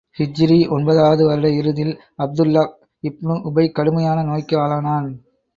ஹிஜ்ரீ ஒன்பதாவது வருட இறுதியில், அப்துல்லாஹ் இப்னு உபை கடுமையான நோய்க்கு ஆளானான்.